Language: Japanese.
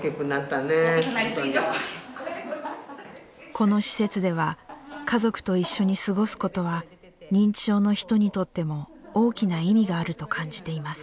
この施設では家族と一緒に過ごすことは認知症の人にとっても大きな意味があると感じています。